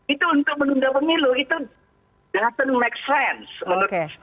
itu untuk menunda pemilu itu tidak akan membuat kesan